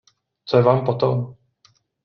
Co je vám po tom?